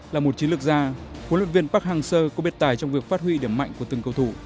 là một chiến lược gia huấn luyện viên park hang seo có biết tài trong việc phát huy điểm mạnh của từng cầu thủ